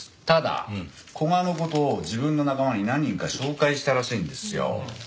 ただ古賀の事を自分の仲間に何人か紹介したらしいんですよ。